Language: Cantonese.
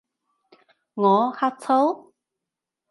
我？呷醋？